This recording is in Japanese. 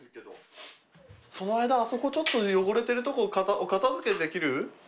その間あそこちょっと汚れてるところお片づけできる？